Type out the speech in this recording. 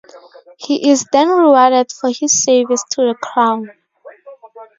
He is then rewarded for his service to the crown.